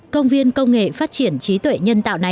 công viên công nghệ phát triển trí tuệ nhân tạo này